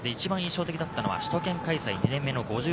一番印象的だったのは首都圏開催